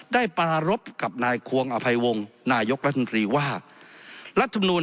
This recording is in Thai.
ได้ปรารพกับนายควงอภัยวงษ์นายกลศนีรวรรภ์นหว่า